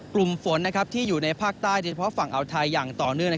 กลุ่มฝนที่อยู่ในภาคใต้โดยเฉพาะฝั่งอ่าวไทยอย่างต่อเนื่อง